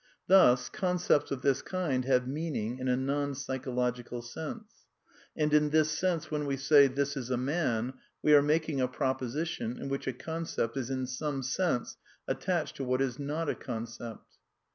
Thus concepts of this kind have meaning in a non psychological sense : And in this sense when we say, ^ This is a man ' we are making a proposition in which a concept is in some sense attached to what is not a concept.'